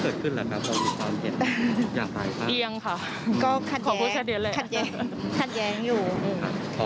ขอบคุณนะครับทั้งสองคนมากเลยครับ